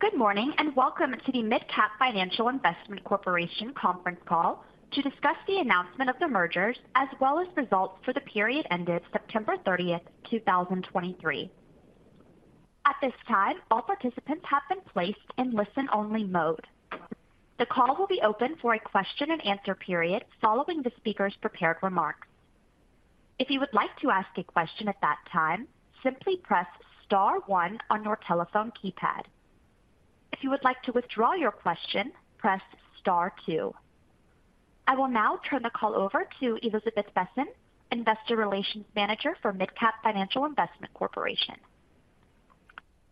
Good morning, and welcome to the MidCap Financial Investment Corporation conference call to discuss the announcement of the mergers, as well as results for the period ended September 30, 2023. At this time, all participants have been placed in listen-only mode. The call will be open for a question and answer period following the speaker's prepared remarks. If you would like to ask a question at that time, simply press star one on your telephone keypad. If you would like to withdraw your question, press star two. I will now turn the call over to Elizabeth Besen, Investor Relations Manager for MidCap Financial Investment Corporation.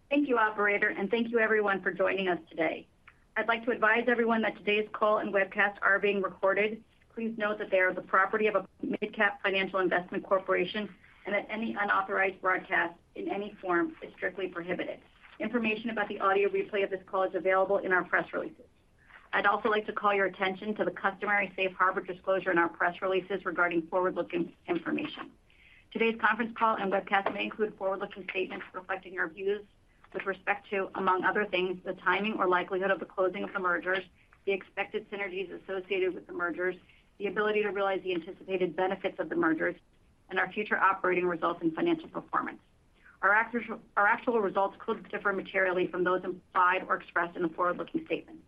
Thank you, operator, and thank you everyone for joining us today. I'd like to advise everyone that today's call and webcast are being recorded. Please note that they are the property of MidCap Financial Investment Corporation, and that any unauthorized broadcast in any form is strictly prohibited. Information about the audio replay of this call is available in our press releases. I'd also like to call your attention to the customary safe harbor disclosure in our press releases regarding forward-looking information. Today's conference call and webcast may include forward-looking statements reflecting our views with respect to, among other things, the timing or likelihood of the closing of the mergers, the expected synergies associated with the mergers, the ability to realize the anticipated benefits of the mergers, and our future operating results and financial performance. Our actual results could differ materially from those implied or expressed in the forward-looking statement.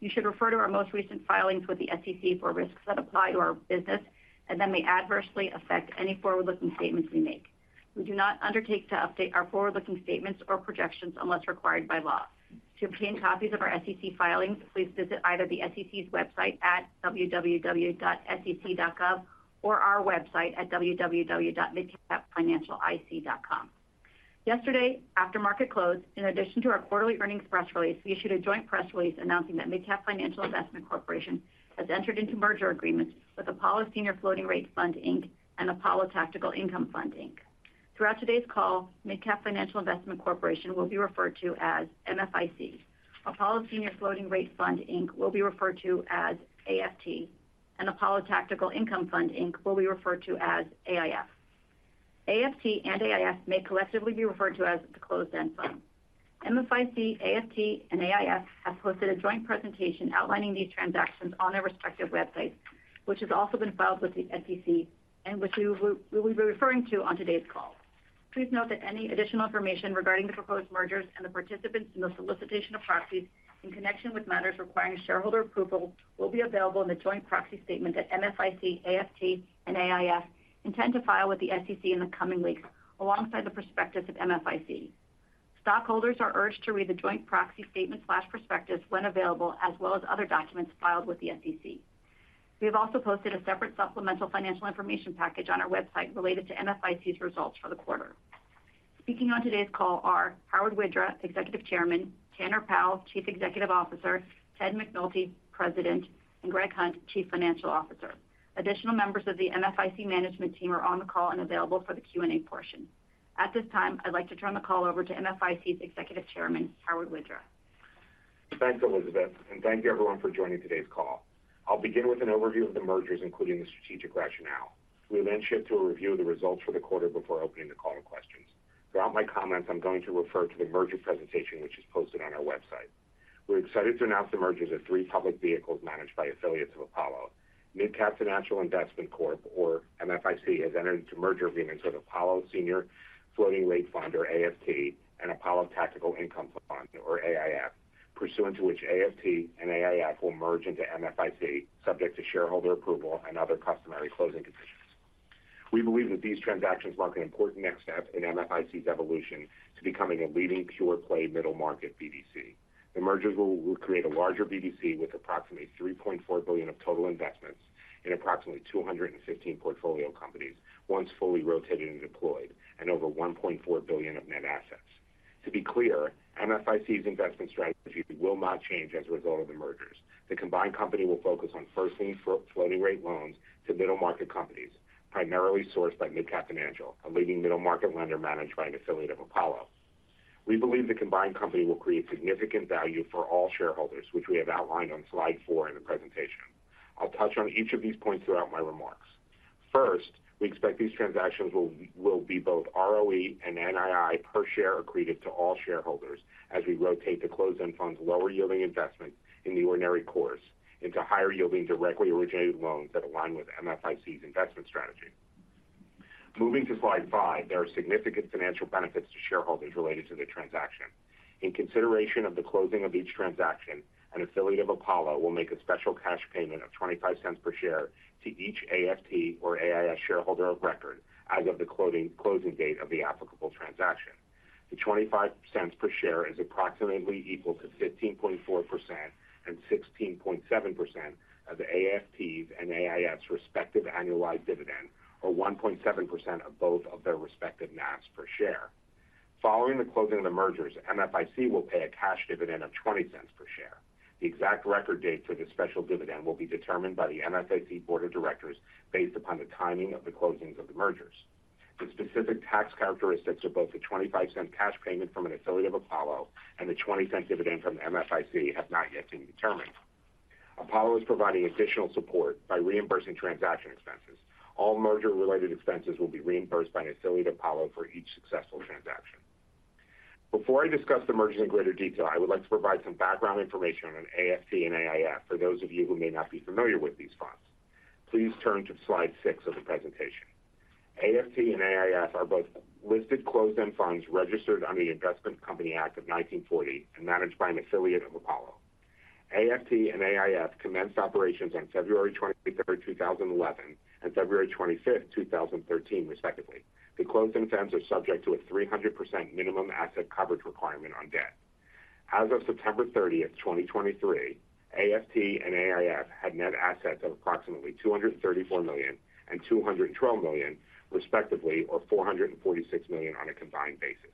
You should refer to our most recent filings with the SEC for risks that apply to our business and that may adversely affect any forward-looking statements we make. We do not undertake to update our forward-looking statements or projections unless required by law. To obtain copies of our SEC filings, please visit either the SEC's website at www.sec.gov or our website at www.midcapfinancialic.com. Yesterday, after market close, in addition to our quarterly earnings press release, we issued a joint press release announcing that MidCap Financial Investment Corporation has entered into merger agreements with Apollo Senior Floating Rate Fund, Inc. and Apollo Tactical Income Fund, Inc. Throughout today's call, MidCap Financial Investment Corporation will be referred to as MFIC. Apollo Senior Floating Rate Fund, Inc. will be referred to as AFT, and Apollo Tactical Income Fund, Inc. will be referred to as AIF. AFT and AIF may collectively be referred to as the Closed-End Fund. MFIC, AFT, and AIF have posted a joint presentation outlining these transactions on their respective websites, which has also been filed with the SEC and which we will be referring to on today's call. Please note that any additional information regarding the proposed mergers and the participants in the solicitation of proxies in connection with matters requiring shareholder approval will be available in the joint proxy statement that MFIC, AFT, and AIF intend to file with the SEC in the coming weeks, alongside the prospectus of MFIC. Stockholders are urged to read the joint proxy statement/prospectus when available, as well as other documents filed with the SEC. We have also posted a separate supplemental financial information package on our website related to MFIC's results for the quarter. Speaking on today's call are Howard Widra, Executive Chairman; Tanner Powell, Chief Executive Officer; Ted McNulty, President; and Greg Hunt, Chief Financial Officer. Additional members of the MFIC management team are on the call and available for the Q&A portion. At this time, I'd like to turn the call over to MFIC's Executive Chairman, Howard Widra. Thanks, Elizabeth, and thank you everyone for joining today's call. I'll begin with an overview of the mergers, including the strategic rationale. We'll then shift to a review of the results for the quarter before opening the call to questions. Throughout my comments, I'm going to refer to the merger presentation, which is posted on our website. We're excited to announce the mergers of three public vehicles managed by affiliates of Apollo. MidCap Financial Investment Corp, or MFIC, has entered into merger agreements with Apollo Senior Floating Rate Fund, or AFT, and Apollo Tactical Income Fund, or AIF, pursuant to which AFT and AIF will merge into MFIC, subject to shareholder approval and other customary closing conditions. We believe that these transactions mark an important next step in MFIC's evolution to becoming a leading pure-play middle-market BDC. The mergers will create a larger BDC with approximately $3.4 billion of total investments in approximately 215 portfolio companies once fully rotated and deployed, and over $1.4 billion of net assets. To be clear, MFIC's investment strategy will not change as a result of the mergers. The combined company will focus on first lien floating rate loans to middle-market companies, primarily sourced by MidCap Financial, a leading middle-market lender managed by an affiliate of Apollo. We believe the combined company will create significant value for all shareholders, which we have outlined on slide 4 in the presentation. I'll touch on each of these points throughout my remarks. First, we expect these transactions will be both ROE and NII per share accretive to all shareholders as we rotate the closed-end fund's lower-yielding investment in the ordinary course into higher-yielding, directly originated loans that align with MFIC's investment strategy. Moving to slide 5, there are significant financial benefits to shareholders related to the transaction. In consideration of the closing of each transaction, an affiliate of Apollo will make a special cash payment of $0.25 per share to each AFT or AIF shareholder of record as of the closing date of the applicable transaction. The $0.25 per share is approximately equal to 15.4% and 16.7% of AFT's and AIF's respective annualized dividend, or 1.7% of both of their respective NAV per share. Following the closing of the mergers, MFIC will pay a cash dividend of $0.20 per share. The exact record date for this special dividend will be determined by the MFIC board of directors based upon the timing of the closings of the mergers. The specific tax characteristics of both the $0.25 cash payment from an affiliate of Apollo and the $0.20 dividend from MFIC have not yet been determined... Apollo is providing additional support by reimbursing transaction expenses. All merger-related expenses will be reimbursed by an affiliate of Apollo for each successful transaction. Before I discuss the mergers in greater detail, I would like to provide some background information on AFT and AIF for those of you who may not be familiar with these funds. Please turn to slide six of the presentation. AFT and AIF are both listed closed-end funds registered under the Investment Company Act of 1940, and managed by an affiliate of Apollo. AFT and AIF commenced operations on February 23, 2011, and February 25, 2013, respectively. The closed-end funds are subject to a 300% minimum asset coverage requirement on debt. As of September 30, 2023, AFT and AIF had net assets of approximately $234 million and $212 million, respectively, or $446 million on a combined basis.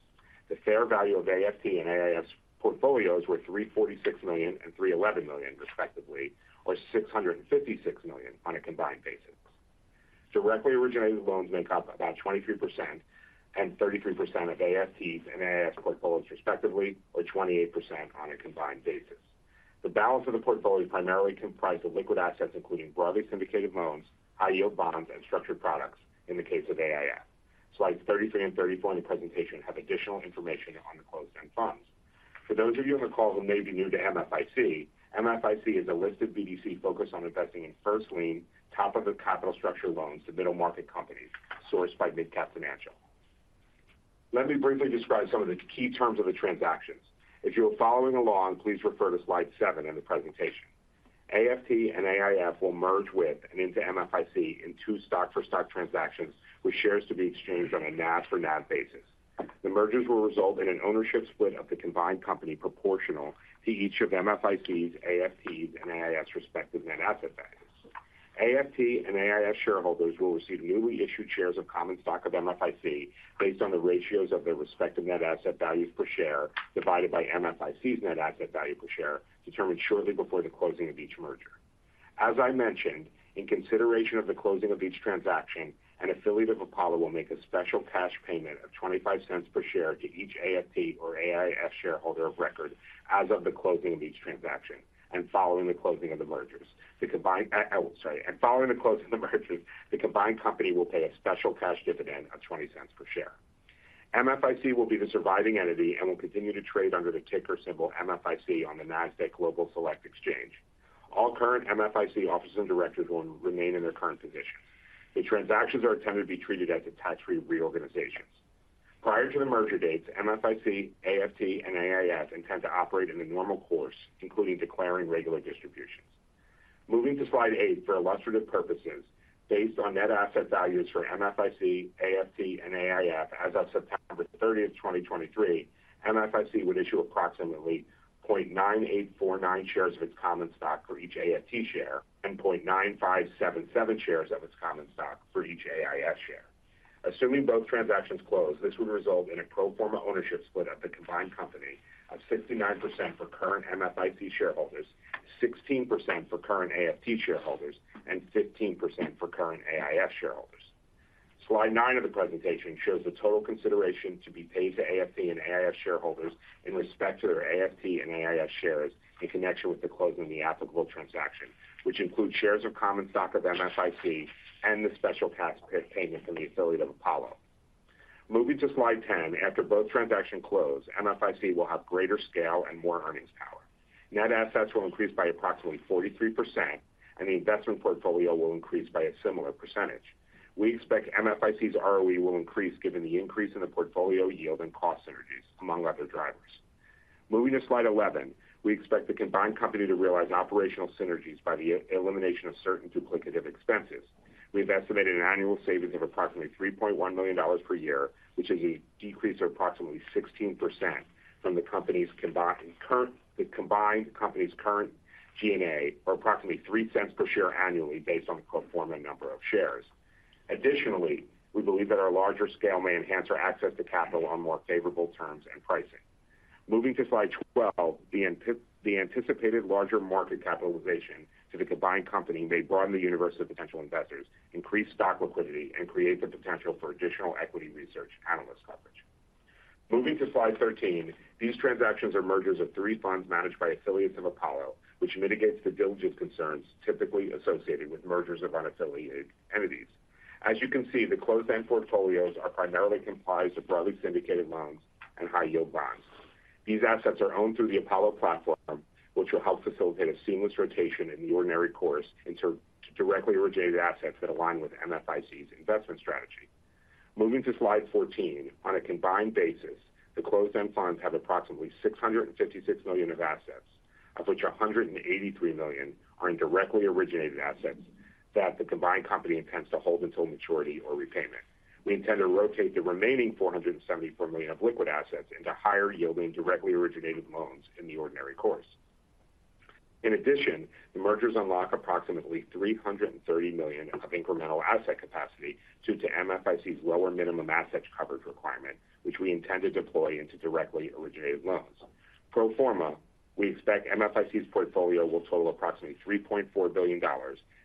The fair value of AFT and AIF's portfolios were $346 million and $311 million, respectively, or $656 million on a combined basis. Directly originated loans make up about 23% and 33% of AFT's and AIF's portfolios, respectively, or 28% on a combined basis. The balance of the portfolio is primarily comprised of liquid assets, including broadly syndicated loans, high-yield bonds, and structured products in the case of AIF. Slides 33 and 34 in the presentation have additional information on the closed-end funds. For those of you on the call who may be new to MFIC, MFIC is a listed BDC focused on investing in first lien, top of the capital structure loans to middle-market companies sourced by MidCap Financial. Let me briefly describe some of the key terms of the transactions. If you are following along, please refer to slide 7 in the presentation. AFT and AIF will merge with and into MFIC in two stock-for-stock transactions, with shares to be exchanged on a NAV-for-NAV basis. The mergers will result in an ownership split of the combined company proportional to each of MFIC's, AFT's, and AIF's respective net asset values. AFT and AIF shareholders will receive newly issued shares of common stock of MFIC based on the ratios of their respective net asset values per share, divided by MFIC's net asset value per share, determined shortly before the closing of each merger. As I mentioned, in consideration of the closing of each transaction, an affiliate of Apollo will make a special cash payment of $0.25 per share to each AFT or AIF shareholder of record as of the closing of each transaction, and following the closing of the mergers. The combined, and following the closing of the mergers, the combined company will pay a special cash dividend of $0.20 per share. MFIC will be the surviving entity and will continue to trade under the ticker symbol MFIC on the Nasdaq Global Select Market. All current MFIC officers and directors will remain in their current position. The transactions are intended to be treated as a tax-free reorganization. Prior to the merger dates, MFIC, AFT, and AIF intend to operate in the normal course, including declaring regular distributions. Moving to slide 8, for illustrative purposes, based on net asset values for MFIC, AFT, and AIF as of September 30, 2023, MFIC would issue approximately 0.9849 shares of its common stock for each AFT share, and 0.9577 shares of its common stock for each AIF share. Assuming both transactions close, this would result in a pro forma ownership split of the combined company of 69% for current MFIC shareholders, 16% for current AFT shareholders, and 15% for current AIF shareholders. Slide 9 of the presentation shows the total consideration to be paid to AFT and AIF shareholders in respect to their AFT and AIF shares in connection with the closing of the applicable transaction, which includes shares of common stock of MFIC and the special cash payment from the affiliate of Apollo. Moving to slide 10. After both transactions close, MFIC will have greater scale and more earnings power. Net assets will increase by approximately 43%, and the investment portfolio will increase by a similar percentage. We expect MFIC's ROE will increase given the increase in the portfolio yield and cost synergies, among other drivers. Moving to slide 11. We expect the combined company to realize operational synergies by the elimination of certain duplicative expenses. We've estimated an annual savings of approximately $3.1 million per year, which is a decrease of approximately 16% from the company's the combined company's current G&A, or approximately $0.03 per share annually, based on the pro forma number of shares. Additionally, we believe that our larger scale may enhance our access to capital on more favorable terms and pricing. Moving to slide 12, the the anticipated larger market capitalization to the combined company may broaden the universe of potential investors, increase stock liquidity, and create the potential for additional equity research analyst coverage. Moving to slide 13. These transactions are mergers of three funds managed by affiliates of Apollo, which mitigates the diligence concerns typically associated with mergers of unaffiliated entities. As you can see, the closed-end portfolios are primarily comprised of broadly syndicated loans and high-yield bonds. These assets are owned through the Apollo platform, which will help facilitate a seamless rotation in the ordinary course into directly originated assets that align with MFIC's investment strategy. Moving to slide 14. On a combined basis, the closed-end funds have approximately $656 million of assets, of which $183 million are in directly originated assets that the combined company intends to hold until maturity or repayment. We intend to rotate the remaining $474 million of liquid assets into higher-yielding, directly originated loans in the ordinary course. In addition, the mergers unlock approximately $330 million of incremental asset capacity due to MFIC's lower minimum asset coverage requirement, which we intend to deploy into directly originated loans. Pro forma, we expect MFIC's portfolio will total approximately $3.4 billion,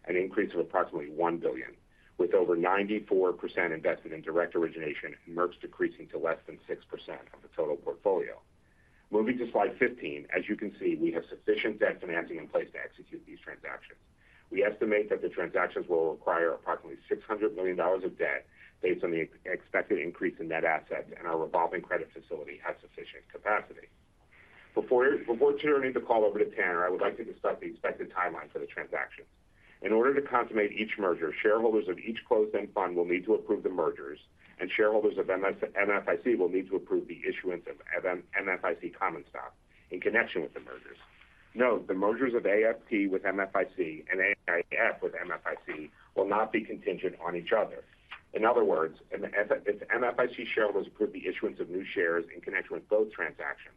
an increase of approximately $1 billion. with over 94% invested in direct origination, and Merx decreasing to less than 6% of the total portfolio. Moving to slide 15, as you can see, we have sufficient debt financing in place to execute these transactions. We estimate that the transactions will require approximately $600 million of debt based on the expected increase in net assets, and our revolving credit facility has sufficient capacity. Before turning the call over to Tanner, I would like to discuss the expected timeline for the transactions. In order to consummate each merger, shareholders of each closed-end fund will need to approve the mergers, and shareholders of MFIC will need to approve the issuance of MFIC common stock in connection with the mergers. Note, the mergers of AFT with MFIC and AIF with MFIC will not be contingent on each other. In other words, if MFIC shareholders approve the issuance of new shares in connection with both transactions,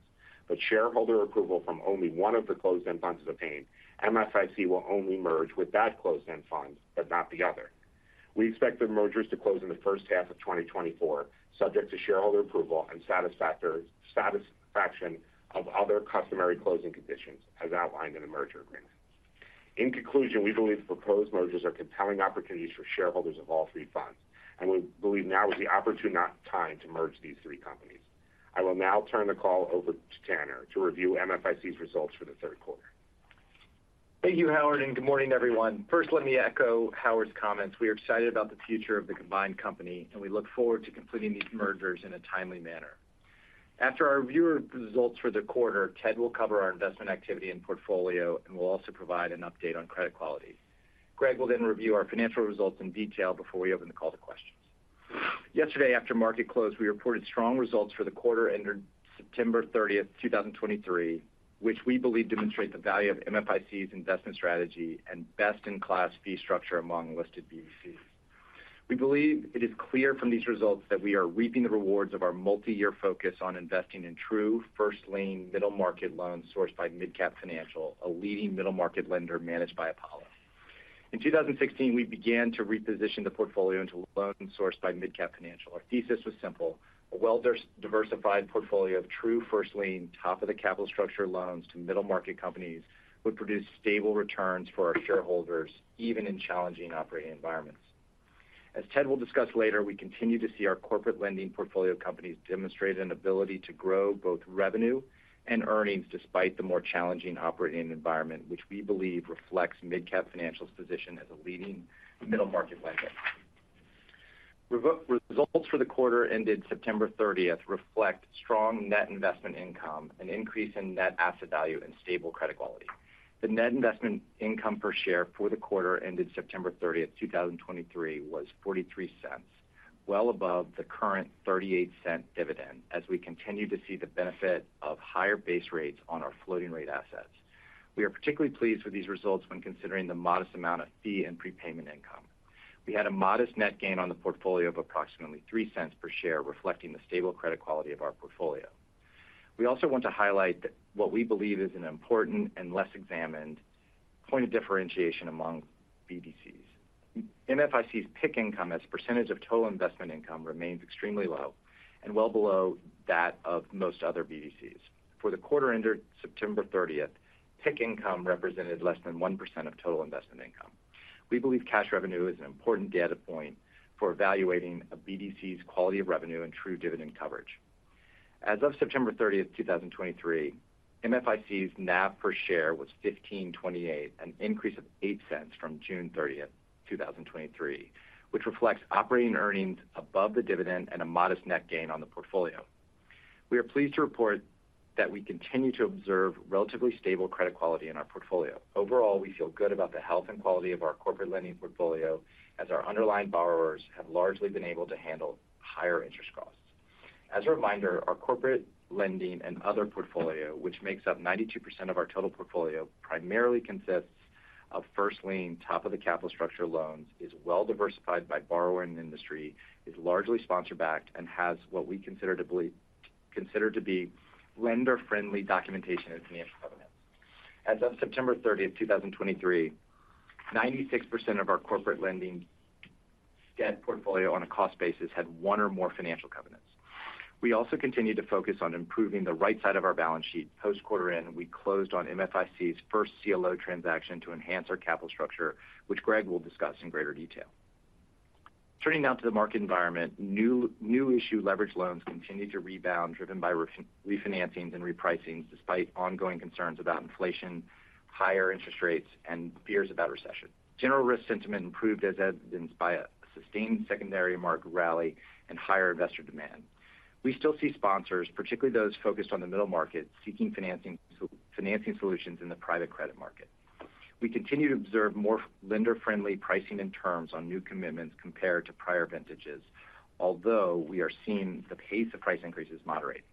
but shareholder approval from only one of the closed-end funds is obtained, MFIC will only merge with that closed-end fund, but not the other. We expect the mergers to close in the first half of 2024, subject to shareholder approval and satisfaction of other customary closing conditions, as outlined in the merger agreement. In conclusion, we believe the proposed mergers are compelling opportunities for shareholders of all three funds, and we believe now is the opportune time to merge these three companies. I will now turn the call over to Tanner to review MFIC's results for the third quarter. Thank you, Howard, and good morning, everyone. First, let me echo Howard's comments. We are excited about the future of the combined company, and we look forward to completing these mergers in a timely manner. After our review of results for the quarter, Ted will cover our investment activity and portfolio, and we'll also provide an update on credit quality. Greg will then review our financial results in detail before we open the call to questions. Yesterday, after market close, we reported strong results for the quarter ended September 30, 2023, which we believe demonstrate the value of MFIC's investment strategy and best-in-class fee structure among listed BDCs. We believe it is clear from these results that we are reaping the rewards of our multi-year focus on investing in true first lien middle-market loans sourced by MidCap Financial, a leading middle-market lender managed by Apollo. In 2016, we began to reposition the portfolio into loans sourced by MidCap Financial. Our thesis was simple: a well-diversified portfolio of true first lien, top-of-the-capital structure loans to middle-market companies would produce stable returns for our shareholders, even in challenging operating environments. As Ted will discuss later, we continue to see our corporate lending portfolio companies demonstrate an ability to grow both revenue and earnings, despite the more challenging operating environment, which we believe reflects MidCap Financial's position as a leading middle-market lender. Results for the quarter ended September 30 reflect strong net investment income, an increase in net asset value and stable credit quality. The net investment income per share for the quarter ended September 30, 2023, was $0.43, well above the current $0.38 dividend, as we continue to see the benefit of higher base rates on our floating rate assets. We are particularly pleased with these results when considering the modest amount of fee and prepayment income. We had a modest net gain on the portfolio of approximately $0.03 per share, reflecting the stable credit quality of our portfolio. We also want to highlight that what we believe is an important and less examined point of differentiation among BDCs. MFIC's PIK income, as a percentage of total investment income, remains extremely low and well below that of most other BDCs. For the quarter ended September 30, PIK income represented less than 1% of total investment income. We believe cash revenue is an important data point for evaluating a BDC's quality of revenue and true dividend coverage. As of September 30, 2023, MFIC's NAV per share was $15.28, an increase of $0.08 from June 30, 2023, which reflects operating earnings above the dividend and a modest net gain on the portfolio. We are pleased to report that we continue to observe relatively stable credit quality in our portfolio. Overall, we feel good about the health and quality of our corporate lending portfolio as our underlying borrowers have largely been able to handle higher interest costs. As a reminder, our corporate lending and other portfolio, which makes up 92% of our total portfolio, primarily consists of first lien, top-of-the-capital structure loans, is well diversified by borrower and industry, is largely sponsor backed, and has what we consider to be lender-friendly documentation and financial covenants. As of September 30, 2023, 96% of our corporate lending debt portfolio on a cost basis had one or more financial covenants. We also continued to focus on improving the right side of our balance sheet. Post-quarter end, we closed on MFIC's first CLO transaction to enhance our capital structure, which Greg will discuss in greater detail. Turning now to the market environment, new issue leveraged loans continued to rebound, driven by refinancings and repricings, despite ongoing concerns about inflation, higher interest rates, and fears about recession. General risk sentiment improved, as evidenced by a sustained secondary market rally and higher investor demand. We still see sponsors, particularly those focused on the middle market, seeking financing solutions in the private credit market. We continue to observe more lender-friendly pricing and terms on new commitments compared to prior vintages, although we are seeing the pace of price increases moderate.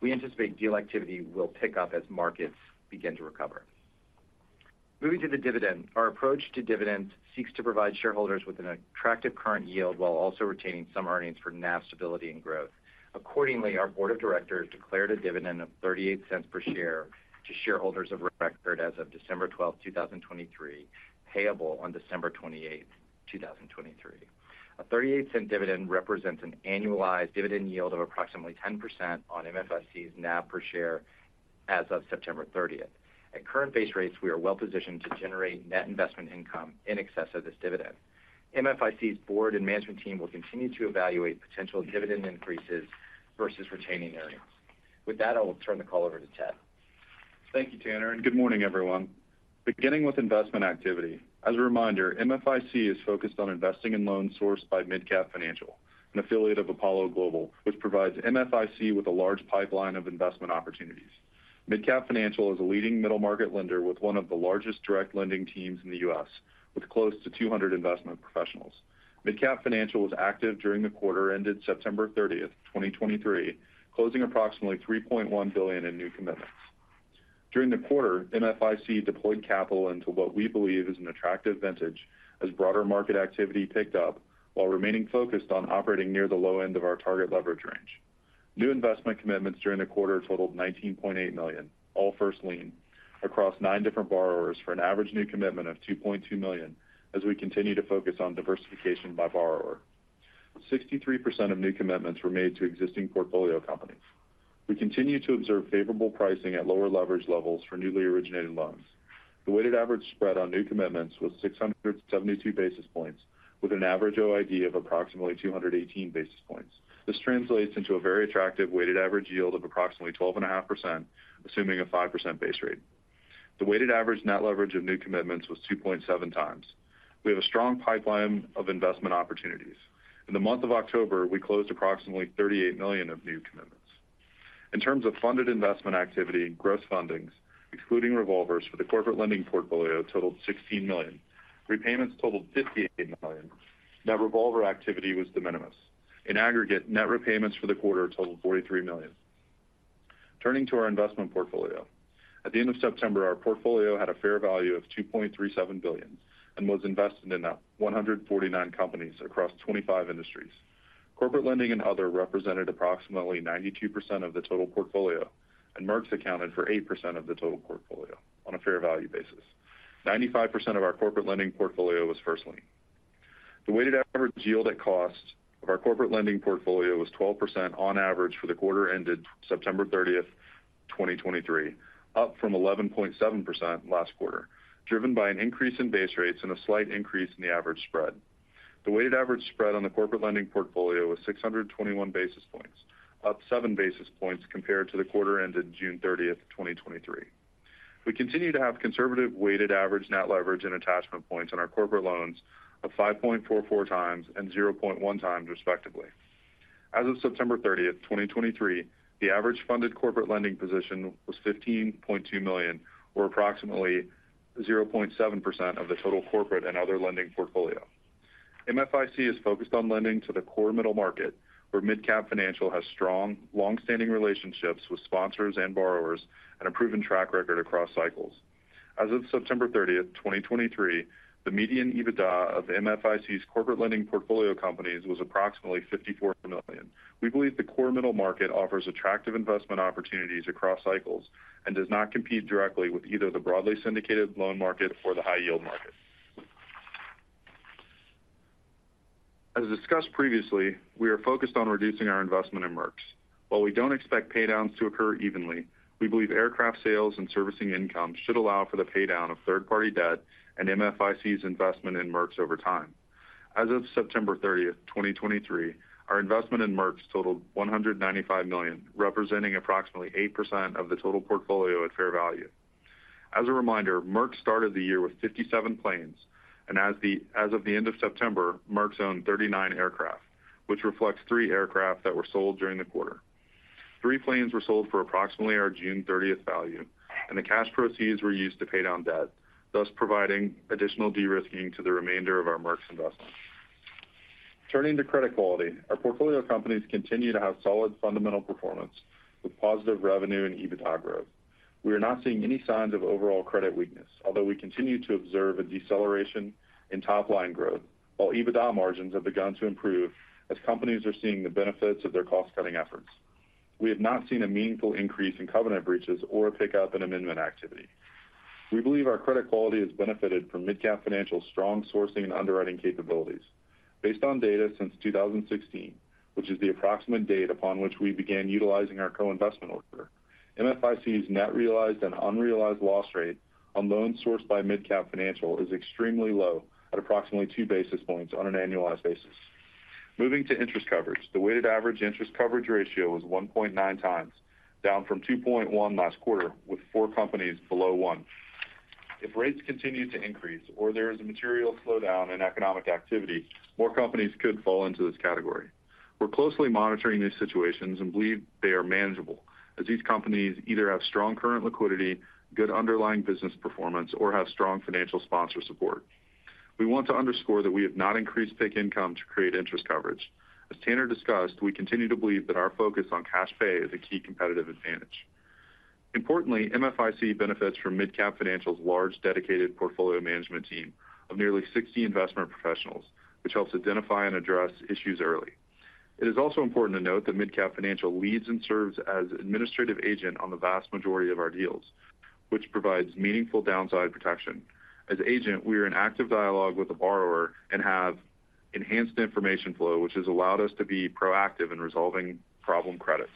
We anticipate deal activity will pick up as markets begin to recover. Moving to the dividend. Our approach to dividends seeks to provide shareholders with an attractive current yield while also retaining some earnings for NAV stability and growth. Accordingly, our board of directors declared a dividend of $0.38 per share to shareholders of record as of December 12, 2023, payable on December 28, 2023. A $0.38 dividend represents an annualized dividend yield of approximately 10% on MFIC's NAV per share as of September 30th. At current base rates, we are well positioned to generate net investment income in excess of this dividend. MFIC's board and management team will continue to evaluate potential dividend increases versus retaining earnings. With that, I will turn the call over to Ted. Thank you, Tanner, and good morning, everyone. Beginning with investment activity. As a reminder, MFIC is focused on investing in loans sourced by MidCap Financial, an affiliate of Apollo Global, which provides MFIC with a large pipeline of investment opportunities. MidCap Financial is a leading middle-market lender with one of the largest direct lending teams in the U.S., with close to 200 investment professionals. MidCap Financial was active during the quarter ended September 30, 2023, closing approximately $3.1 billion in new commitments. During the quarter, MFIC deployed capital into what we believe is an attractive vintage as broader market activity picked up, while remaining focused on operating near the low end of our target leverage range. New investment commitments during the quarter totaled $19.8 million, all first lien, across 9 different borrowers for an average new commitment of $2.2 million, as we continue to focus on diversification by borrower. 63% of new commitments were made to existing portfolio companies. We continue to observe favorable pricing at lower leverage levels for newly originated loans. The weighted average spread on new commitments was 672 basis points, with an average OID of approximately 218 basis points. This translates into a very attractive weighted average yield of approximately 12.5%, assuming a 5% base rate. The weighted average net leverage of new commitments was 2.7 times. We have a strong pipeline of investment opportunities. In the month of October, we closed approximately $38 million of new commitments. In terms of funded investment activity, gross fundings, excluding revolvers for the corporate lending portfolio, totaled $16 million. Repayments totaled $58 million. Net revolver activity was de minimis. In aggregate, net repayments for the quarter totaled $43 million. Turning to our investment portfolio. At the end of September, our portfolio had a fair value of $2.37 billion and was invested in 149 companies across 25 industries. Corporate lending and other represented approximately 92% of the total portfolio, and Merx accounted for 8% of the total portfolio on a fair value basis. 95% of our corporate lending portfolio was first lien. The weighted average yield at cost of our corporate lending portfolio was 12% on average for the quarter ended September 30, 2023, up from 11.7% last quarter, driven by an increase in base rates and a slight increase in the average spread. The weighted average spread on the corporate lending portfolio was 621 basis points, up 7 basis points compared to the quarter ended June 30, 2023. We continue to have conservative weighted average net leverage and attachment points on our corporate loans of 5.44 times and 0.1 times, respectively. As of September 30, 2023, the average funded corporate lending position was $15.2 million or approximately 0.7% of the total corporate and other lending portfolio. MFIC is focused on lending to the core middle market, where MidCap Financial has strong, long-standing relationships with sponsors and borrowers and a proven track record across cycles. As of September 30, 2023, the median EBITDA of MFIC's corporate lending portfolio companies was approximately $54 million. We believe the core middle market offers attractive investment opportunities across cycles and does not compete directly with either the broadly syndicated loan market or the high yield market. As discussed previously, we are focused on reducing our investment in Merx. While we don't expect pay downs to occur evenly, we believe aircraft sales and servicing income should allow for the pay down of third-party debt and MFIC's investment in Merx over time. As of September 30, 2023, our investment in Merx totaled $195 million, representing approximately 8% of the total portfolio at fair value. As a reminder, Merx started the year with 57 planes, and as of the end of September, Merx own 39 aircraft, which reflects three aircraft that were sold during the quarter. Three planes were sold for approximately our June thirtieth value, and the cash proceeds were used to pay down debt, thus providing additional de-risking to the remainder of our Merx investment. Turning to credit quality. Our portfolio companies continue to have solid fundamental performance with positive revenue and EBITDA growth. We are not seeing any signs of overall credit weakness, although we continue to observe a deceleration in top-line growth, while EBITDA margins have begun to improve as companies are seeing the benefits of their cost-cutting efforts. We have not seen a meaningful increase in covenant breaches or a pickup in amendment activity. We believe our credit quality has benefited from MidCap Financial's strong sourcing and underwriting capabilities. Based on data since 2016, which is the approximate date upon which we began utilizing our co-investment offer, MFIC's net realized and unrealized loss rate on loans sourced by MidCap Financial is extremely low at approximately 2 basis points on an annualized basis. Moving to interest coverage. The weighted average interest coverage ratio was 1.9 times, down from 2.1 last quarter, with 4 companies below 1. If rates continue to increase or there is a material slowdown in economic activity, more companies could fall into this category. We're closely monitoring these situations and believe they are manageable, as these companies either have strong current liquidity, good underlying business performance, or have strong financial sponsor support. We want to underscore that we have not increased PIK income to create interest coverage. As Tanner discussed, we continue to believe that our focus on cash pay is a key competitive advantage. Importantly, MFIC benefits from MidCap Financial's large, dedicated portfolio management team of nearly 60 investment professionals, which helps identify and address issues early.... It is also important to note that MidCap Financial leads and serves as administrative agent on the vast majority of our deals, which provides meaningful downside protection. As agent, we are in active dialogue with the borrower and have enhanced information flow, which has allowed us to be proactive in resolving problem credits.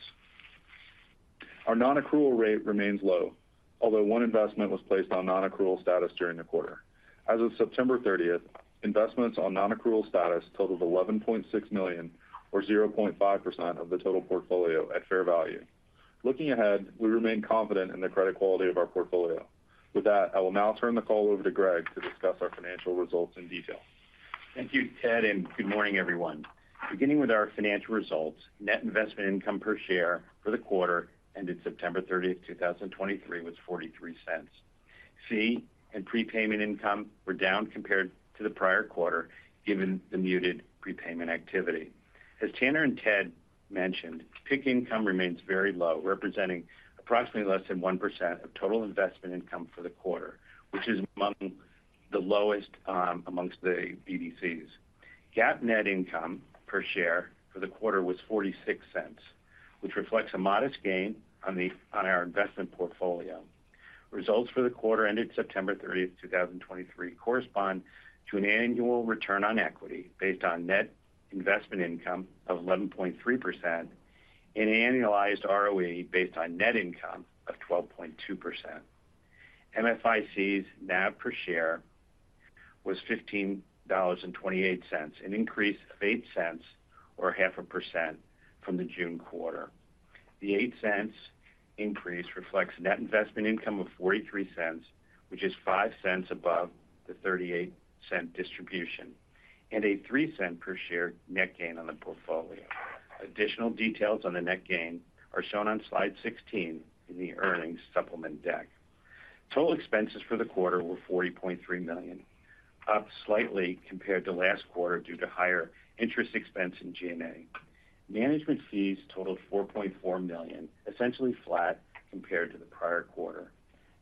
Our non-accrual rate remains low, although one investment was placed on non-accrual status during the quarter. As of September thirtieth, investments on non-accrual status totaled $11.6 million, or 0.5% of the total portfolio at fair value. Looking ahead, we remain confident in the credit quality of our portfolio. With that, I will now turn the call over to Greg to discuss our financial results in detail. Thank you, Ted, and good morning, everyone. Beginning with our financial results, net investment income per share for the quarter ended September 30, 2023 was $0.43. Fee and prepayment income were down compared to the prior quarter, given the muted prepayment activity. As Tanner and Ted mentioned, PIK income remains very low, representing approximately less than 1% of total investment income for the quarter, which is among the lowest among the BDCs. GAAP net income per share for the quarter was $0.46, which reflects a modest gain on our investment portfolio. Results for the quarter ended September 30, 2023 correspond to an annual return on equity based on net investment income of 11.3% and an annualized ROE based on net income of 12.2%. MFIC's NAV per share was $15.28, an increase of $0.08 or 0.5% from the June quarter. The $0.08 increase reflects net investment income of $0.43, which is $0.05 above the $0.38 distribution, and a $0.03 per share net gain on the portfolio. Additional details on the net gain are shown on slide 16 in the earnings supplement deck. Total expenses for the quarter were $40.3 million, up slightly compared to last quarter due to higher interest expense in G&A. Management fees totaled $4.4 million, essentially flat compared to the prior quarter.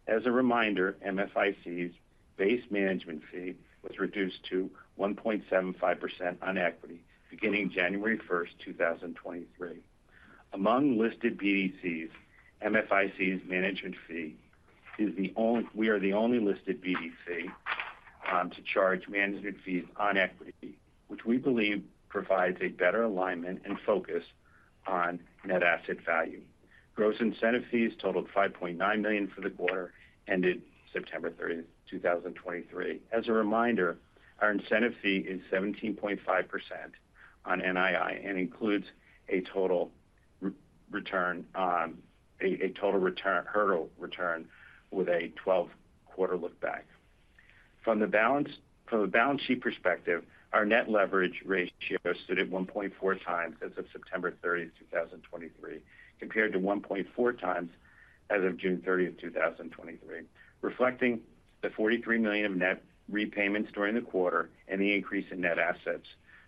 As a reminder, MFIC's base management fee was reduced to 1.75% on equity beginning January 1, 2023. Among listed BDCs, MFIC's management fee is the only we are the only listed BDC to charge management fees on equity, which we believe provides a better alignment and focus on net asset value. Gross incentive fees totaled $5.9 million for the quarter ended September 30, 2023. As a reminder, our incentive fee is 17.5% on NII and includes a total return hurdle return with a 12-quarter look back. From a balance sheet perspective, our net leverage ratio stood at 1.4 times as of September 30, 2023, compared to 1.4 times as of June 30, 2023, reflecting the $43 million of net repayments during the quarter and the increase in net assets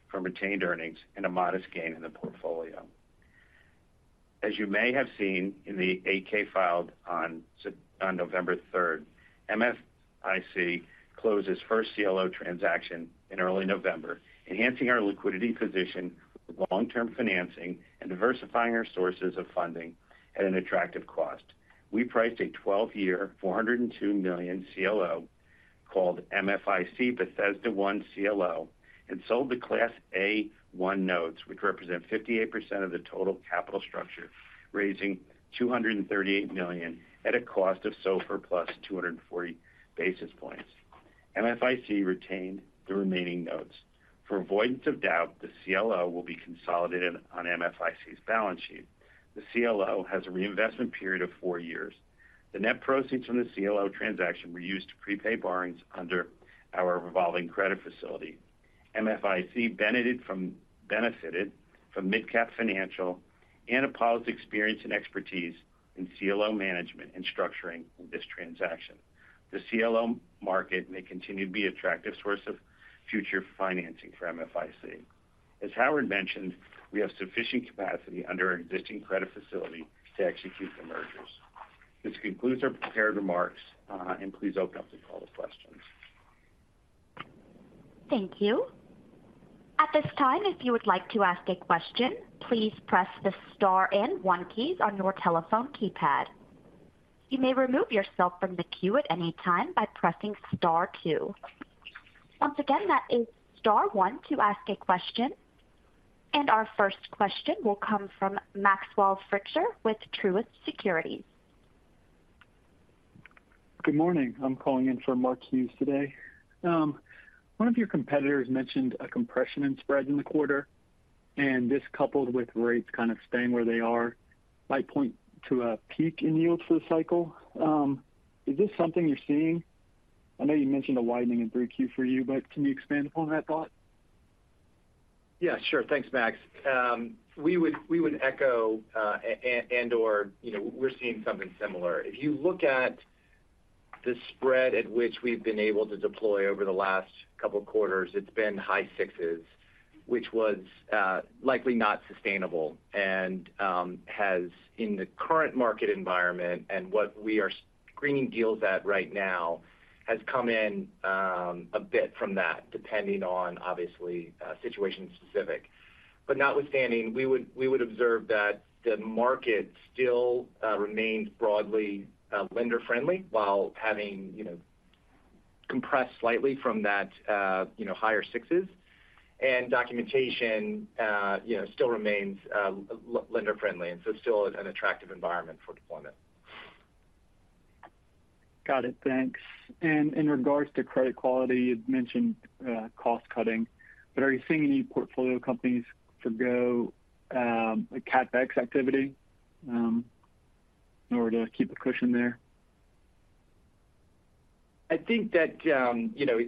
from retained earnings and a modest gain in the portfolio. As you may have seen in the 8-K filed on November third, MFIC closed its first CLO transaction in early November, enhancing our liquidity position with long-term financing and diversifying our sources of funding at an attractive cost. We priced a 12-year, $402 million CLO called MFIC Bethesda One CLO, and sold the Class A-1 notes, which represent 58% of the total capital structure, raising $238 million at a cost of SOFR plus 240 basis points. MFIC retained the remaining notes. For avoidance of doubt, the CLO will be consolidated on MFIC's balance sheet. The CLO has a reinvestment period of 4 years. The net proceeds from the CLO transaction were used to prepay borrowings under our revolving credit facility. MFIC benefited from MidCap Financial and Apollo's experience and expertise in CLO management and structuring in this transaction. The CLO market may continue to be attractive source of future financing for MFIC. As Howard mentioned, we have sufficient capacity under our existing credit facility to execute the mergers. This concludes our prepared remarks, and please open up the call to questions. Thank you. At this time, if you would like to ask a question, please press the star and one keys on your telephone keypad. You may remove yourself from the queue at any time by pressing star two. Once again, that is star one to ask a question, and our first question will come from Maxwell Fritscher with Truist Securities. Good morning. I'm calling in for Mark Hughes today. One of your competitors mentioned a compression in spreads in the quarter, and this, coupled with rates kind of staying where they are, might point to a peak in yields for the cycle. Is this something you're seeing? I know you mentioned a widening in 3Q for you, but can you expand upon that thought? Yeah, sure. Thanks, Max. We would echo and or, you know, we're seeing something similar. If you look at the spread at which we've been able to deploy over the last couple of quarters, it's been high sixes, which was likely not sustainable and has in the current market environment and what we are-... screening deals at right now has come in, a bit from that, depending on obviously, situation specific. But notwithstanding, we would, we would observe that the market still remains broadly lender-friendly while having, you know, compressed slightly from that, you know, higher sixes. And documentation, you know, still remains lender friendly, and so still an attractive environment for deployment. Got it. Thanks. In regards to credit quality, you've mentioned cost cutting, but are you seeing any portfolio companies forgo a CapEx activity in order to keep a cushion there? I think that, you know,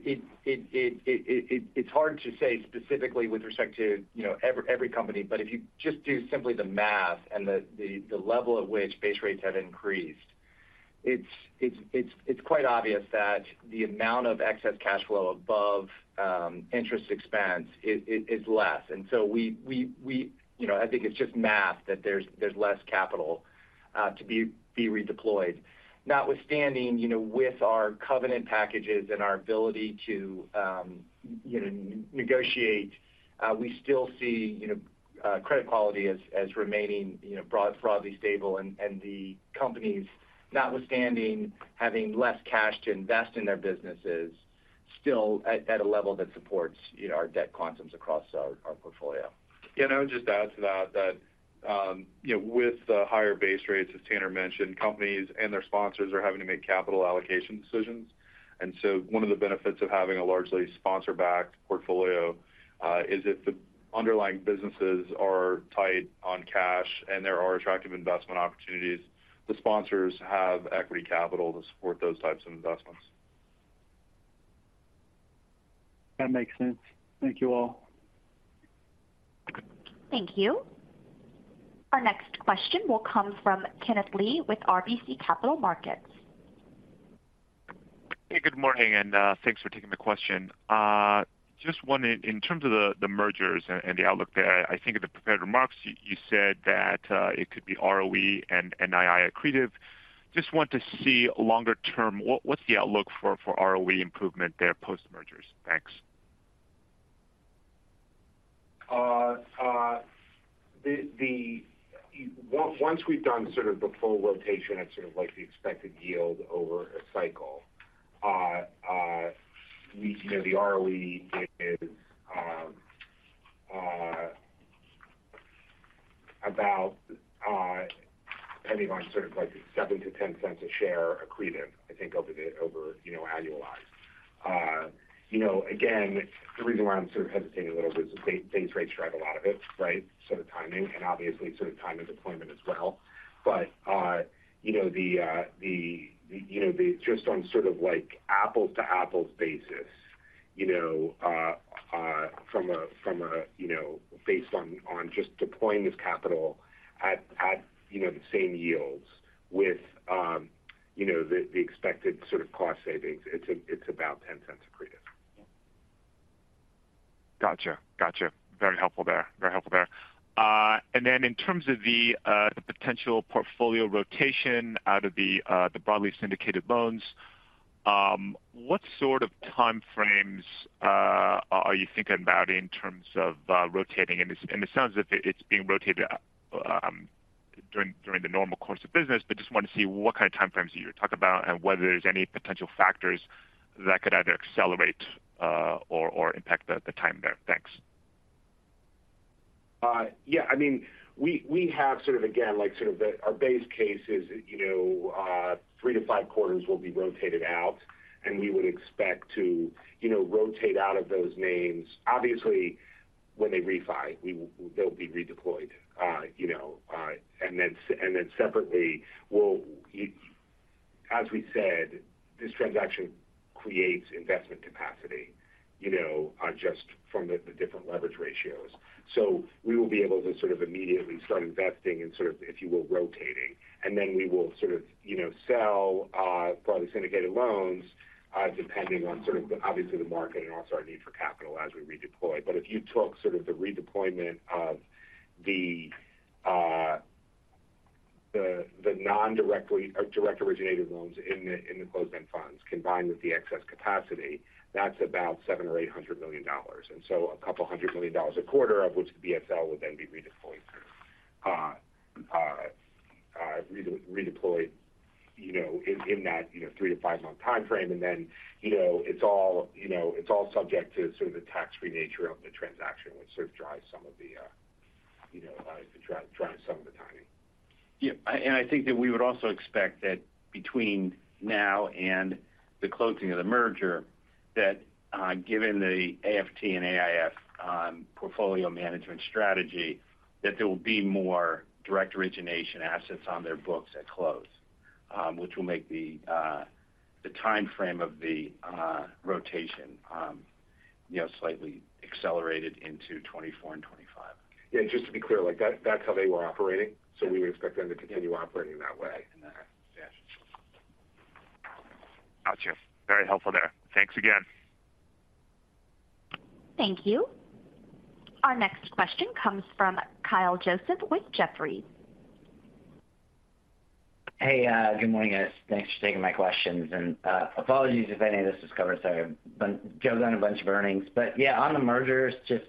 it's hard to say specifically with respect to, you know, every company, but if you just do simply the math and the level at which base rates have increased, it's quite obvious that the amount of excess cash flow above interest expense is less. And so we you know, I think it's just math, that there's less capital to be redeployed. Notwithstanding, you know, with our covenant packages and our ability to, you know, negotiate, we still see, you know, credit quality as remaining broadly stable. And the companies, notwithstanding, having less cash to invest in their businesses, still at a level that supports our debt quantums across our portfolio. Yeah, and I would just add to that, you know, with the higher base rates, as Tanner mentioned, companies and their sponsors are having to make capital allocation decisions. And so one of the benefits of having a largely sponsor-backed portfolio is if the underlying businesses are tight on cash and there are attractive investment opportunities, the sponsors have equity capital to support those types of investments. That makes sense. Thank you, all. Thank you. Our next question will come from Kenneth Lee with RBC Capital Markets. Hey, good morning, and thanks for taking the question. Just wondering, in terms of the mergers and the outlook there, I think in the prepared remarks, you said that it could be ROE and NII accretive. Just want to see longer term, what's the outlook for ROE improvement there post-mergers? Thanks. Once we've done sort of the full rotation of sort of like the expected yield over a cycle, you know, the ROE is about, depending on sort of like $0.07-$0.10 a share accretive, I think, over the, you know, annualized. You know, again, the reason why I'm sort of hesitating a little bit is because base rates drive a lot of it, right? So timing and obviously sort of timing deployment as well. But, you know, just on sort of like apples-to-apples basis, you know, from a, you know, based on just deploying this capital at, you know, the same yields with, you know, the expected sort of cost savings, it's about $0.10 accretive. Gotcha. Gotcha. Very helpful there. Very helpful there. And then in terms of the potential portfolio rotation out of the broadly syndicated loans, what sort of time frames are you thinking about in terms of rotating? And it sounds as if it's being rotated during the normal course of business, but just want to see what kind of time frames are you talking about, and whether there's any potential factors that could either accelerate or impact the time there. Thanks. Yeah, I mean, we have sort of again, like, sort of our base case is, you know, 3-5 quarters will be rotated out, and we would expect to, you know, rotate out of those names. Obviously, when they refi, we will-they'll be redeployed, you know, and then separately, we'll. As we said, this transaction creates investment capacity, you know, just from the different leverage ratios. So we will be able to sort of immediately start investing and sort of, if you will, rotating. And then we will sort of, you know, sell broadly syndicated loans, depending on sort of, obviously, the market and also our need for capital as we redeploy. But if you took sort of the redeployment of the, the non-directly or direct originated loans in the, in the closed-end funds, combined with the excess capacity, that's about $700 million-$800 million. And so a couple of hundred million dollars a quarter, of which the BSL would then be redeployed, you know, in, in that, you know, 3-5-month time frame. And then, you know, it's all, you know, it's all subject to sort of the tax-free nature of the transaction, which sort of drives some of the, you know, drives some of the timing. Yeah, and I think that we would also expect that between now and the closing of the merger, that, given the AFT and AIF portfolio management strategy, that there will be more direct origination assets on their books at close, which will make the time frame of the rotation, you know, slightly accelerated into 2024 and 2025. Yeah, just to be clear, like, that's how they were operating, so we would expect them to continue operating that way. Okay. Yeah. Gotcha. Very helpful there. Thanks again. Thank you. Our next question comes from Kyle Joseph with Jefferies. Hey, good morning, guys. Thanks for taking my questions, and apologies if any of this was covered. Sorry, I've been jumped on a bunch of earnings. But yeah, on the mergers, just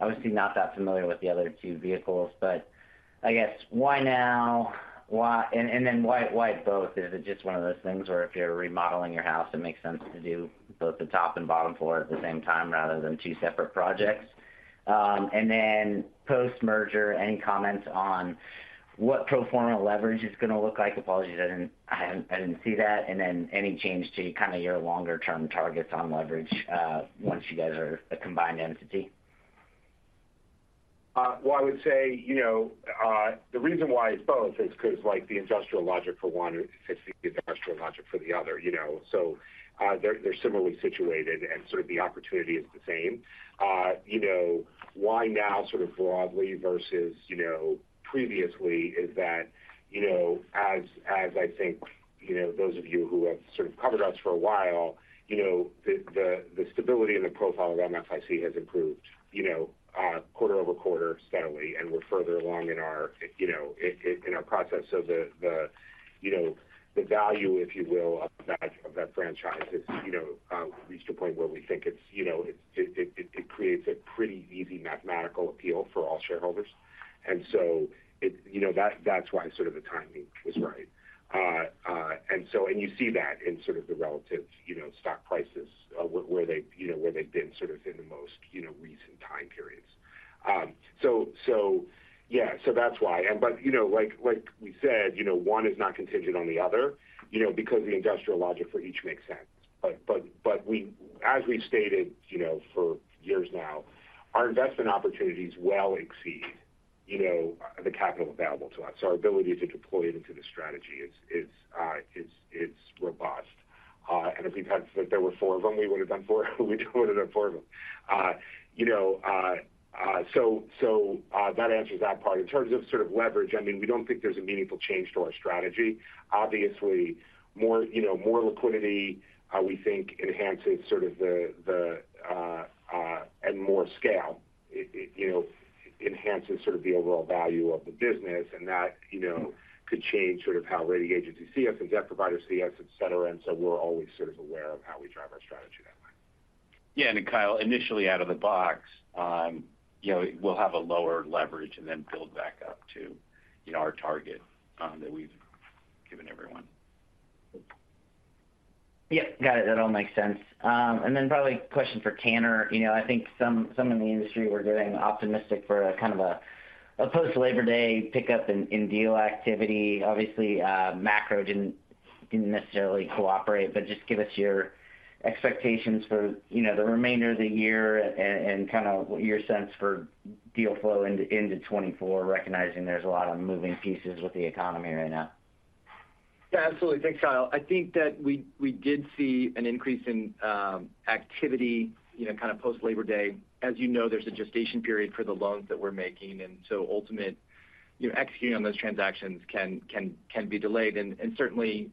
obviously not that familiar with the other two vehicles, but I guess why now? Why and then why both? Is it just one of those things where if you're remodeling your house, it makes sense to do both the top and bottom floor at the same time rather than two separate projects? And then post-merger, any comments on what pro forma leverage is going to look like? Apologies, I didn't see that. And then any change to kind of your longer-term targets on leverage once you guys are a combined entity? Well, I would say, you know, the reason why it's both is because, like, the industrial logic for one fits the industrial logic for the other, you know? So, they're, they're similarly situated, and sort of the opportunity is the same. You know, why now, sort of broadly versus, you know, previously, is that, you know, as I think, you know, those of you who have sort of covered us for a while, you know, the stability in the profile of MFIC has improved, you know, quarter over quarter steadily, and we're further along in our, you know, in our process. So, the value, if you will, of that franchise is, you know, reached a point where we think it's, you know, it creates a pretty easy mathematical appeal for all shareholders. And so it, you know, that's why sort of the timing is right. And you see that in sort of the relative, you know, stock prices, where they, you know, where they've been sort of in the most, you know, recent time periods. So, yeah, so that's why. And but, you know, like we said, you know, one is not contingent on the other, you know, because the industrial logic for each makes sense. But we, as we've stated, you know, for years now, our investment opportunities well exceed, you know, the capital available to us. Our ability to deploy it into the strategy is robust. And if there were four of them, we would have done four, we would have done four of them. You know, so that answers that part. In terms of sort of leverage, I mean, we don't think there's a meaningful change to our strategy. Obviously, more liquidity, you know, we think enhances sort of the and more scale, it you know, enhances sort of the overall value of the business, and that you know, could change sort of how rating agencies see us and debt providers see us, et cetera. So we're always sort of aware of how we drive our strategy that way. Yeah, and Kyle, initially out of the box, you know, we'll have a lower leverage and then build back up to, you know, our target that we've given everyone. Yep, got it. That all makes sense. And then probably a question for Tanner. You know, I think some in the industry were getting optimistic for a kind of a post-Labor Day pickup in deal activity. Obviously, macro didn't necessarily cooperate, but just give us your expectations for, you know, the remainder of the year and kind of your sense for deal flow into 2024, recognizing there's a lot of moving pieces with the economy right now. Yeah, absolutely. Thanks, Kyle. I think that we did see an increase in activity, you know, kind of post-Labor Day. As you know, there's a gestation period for the loans that we're making, and so ultimately, you know, executing on those transactions can be delayed. And certainly